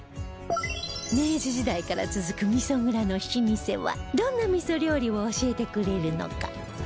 明治時代から続く味蔵の老舗はどんな味料理を教えてくれるのか？